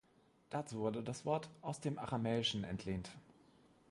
Dazu wurde das Wort aus dem Aramäischen entlehnt.